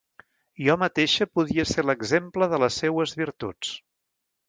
Jo mateixa podia ser l’exemple de les seues virtuts.